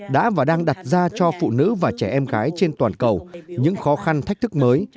đã và đang đặt ra cho phụ nữ và trẻ em gái trên toàn cầu những khó khăn thách thức mới